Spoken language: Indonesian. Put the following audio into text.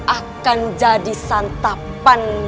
akan jadi santapan